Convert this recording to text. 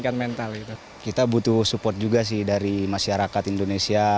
timnas sepak bola amputasi indonesia